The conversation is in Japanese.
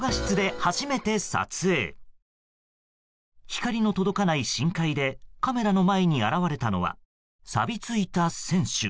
光の届かない深海でカメラの前に現れたのはさび付いた船首。